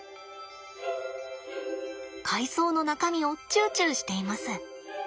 海藻の中身をチュウチュウしています。